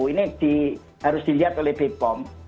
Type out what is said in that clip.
ini harus dilihat oleh bepom